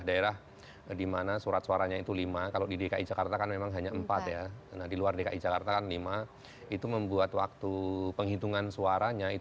terima kasih sudah berbagi bersama kami